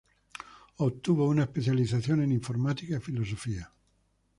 Obtuvo una especialización en informática y filosofía.